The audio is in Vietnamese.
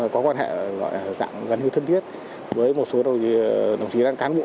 có quan hệ gần như thân thiết với một số đồng chí làm cán bộ